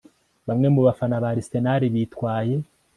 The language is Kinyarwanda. Bamwe mu bafana ba Arsenal bitwaye